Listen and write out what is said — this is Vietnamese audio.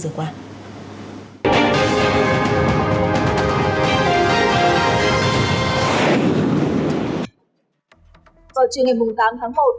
vào trưa ngày tám tháng một